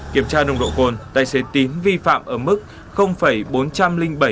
kiểm tra nông độ cồn tài xế tín vi phạm ở mức bốn trăm linh bảy mg trên một lít